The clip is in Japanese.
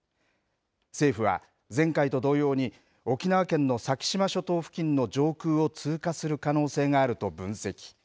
政府は、前回と同様に、沖縄県の先島諸島付近の上空を通過する可能性があると分析。